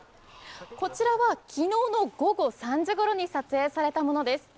こちらは昨日の午後３時ごろに撮影されたものです。